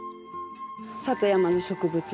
里山の植物。